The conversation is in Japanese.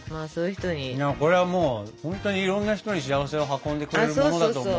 これはもうほんとにいろんな人に幸せを運んでくれるものだと思う。